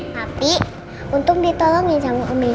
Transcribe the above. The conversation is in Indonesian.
tapi untung ditolong ya jangan kamu ambil